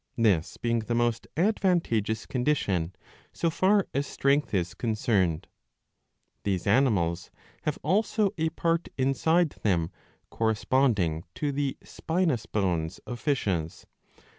ii. 8— ii. 9. 39 this being the most advantageous condition, so far as strength is concerned. These animals have also a part inside them corresponding to the spinous bones of fishes.